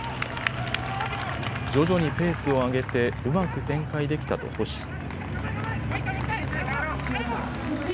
徐々にペースを上げてうまく展開できたと星。